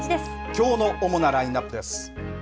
きょうの主なラインナップです。